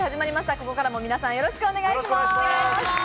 ここからも皆さん、よろしくお願いします。